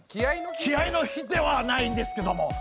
気合いの日ではないんですけども。